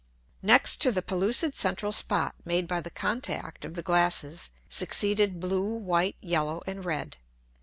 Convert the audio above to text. Next to the pellucid central Spot made by the contact of the Glasses succeeded blue, white, yellow, and red.